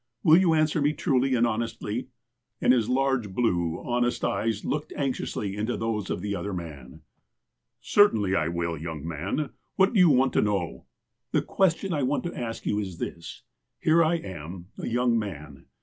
Will you answer me truly and honestly 1 " And his large blue, honest eyes looked anxiously into those of the other man. '' Certainly I will, young man. What do you want to knowl" " The question I want to ask you is this : Here I am, a young man.